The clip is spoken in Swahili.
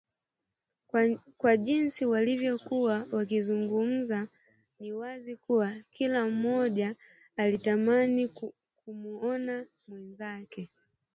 Kwa jinsi walivyokuwa wakizungumza ni wazi kuwa kila mmoja alitamani kumuona mwenzake